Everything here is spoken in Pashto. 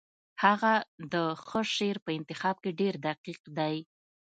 هغه د ښه شعر په انتخاب کې ډېر دقیق دی